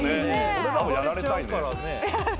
俺らもやられたいね。